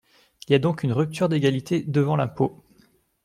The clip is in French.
Il y a donc une rupture d’égalité devant l’impôt.